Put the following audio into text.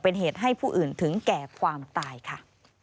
เป็นเหตุให้ผู้อื่นถึงแก่ความตายค่ะ